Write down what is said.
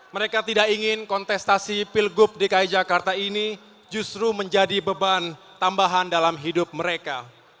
mereka tidak ingin kontestasi pilgub dki jakarta ini justru menjadi beban tambahan dalam hidup mereka